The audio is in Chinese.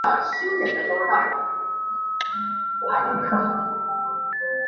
此外在低高度执行任务的飞机都比高高度的飞行耗油多而作战半径变小一点。